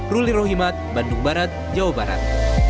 ruli rohimat bandung barat jawa barat